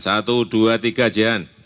satu dua tiga dian